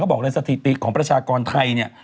บอกเลยสถิติของประชากรไทยเนี่ย